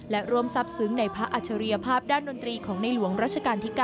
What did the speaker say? และร่วมซับซึ้งในพระอัจฉริยภาพด้านดนตรีของในหลวงรัชกาลที่๙